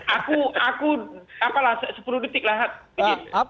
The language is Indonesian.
aku apalah sepuluh detik lahat